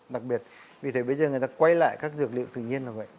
đặc biệt vì thế bây giờ người ta quay lại các dược liệu tự nhiên là vậy